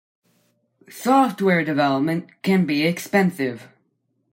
Software development can be expensive.